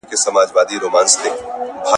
• هم لری، هم ناولی، هم ناوخته راستولی.